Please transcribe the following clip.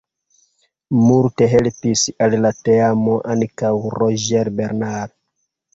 Multe helpis al la teamo ankaŭ Roger Bernard.